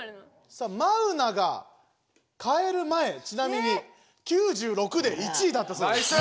さあマウナがかえる前ちなみに９６で１位だったそうです。ね！